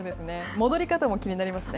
戻り方も気になりますね。